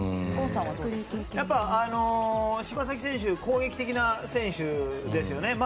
やっぱり、柴崎選手は攻撃的な選手ですよね。